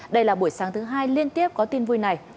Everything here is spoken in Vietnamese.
đây là buổi sáng thứ hai liên tiếp có tin vui này